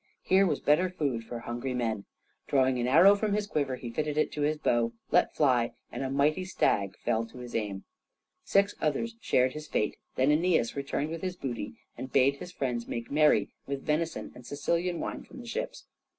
Here was better food for hungry men. Drawing an arrow from his quiver, he fitted it to his bow, let fly, and a mighty stag fell to his aim. Six others shared its fate, then Æneas returned with his booty and bade his friends make merry with venison and Sicilian wine from the ships.